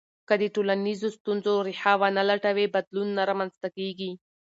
که د ټولنیزو ستونزو ریښه ونه لټوې، بدلون نه رامنځته کېږي.